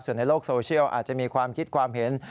ส่วนในโลกโซเชียลอาจจะมีความคิดความเห็น